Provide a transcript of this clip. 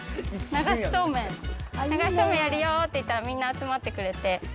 流しそうめんやるよって言ったらみんな集まってくれて。